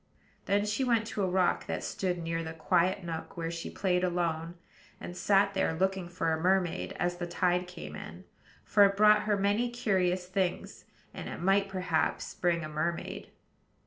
Then she went to a rock that stood near the quiet nook where she played alone, and sat there looking for a mermaid as the tide came in; for it brought her many curious things, and it might perhaps bring a mermaid.